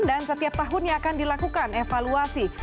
setiap tahunnya akan dilakukan evaluasi